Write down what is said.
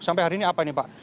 sampai hari ini apa ini pak